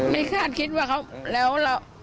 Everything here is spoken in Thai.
ไม่คาดคิดว่าเค้าแล้วเรา